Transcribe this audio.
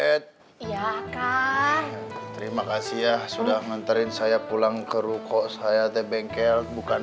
ed ya kak terima kasih ya sudah nganterin saya pulang ke ruko saya tepeng kel bukan